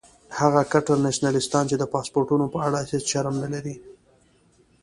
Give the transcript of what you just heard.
هغه کټر نیشنلستان چې د پاسپورټونو په اړه هیڅ شرم نه لري.